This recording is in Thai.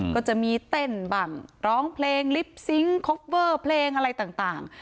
ก็จะมีเต้นบ้างร้องเพลงลิปซิงค์คอฟเวอร์เพลงอะไรต่าง